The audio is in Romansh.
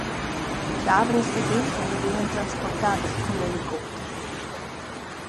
Chavras e bescha nu vegnan transportadas cun l’elicopter.